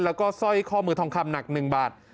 แล้วก็สร้อยข้อมือทองคำหนัก๑บาท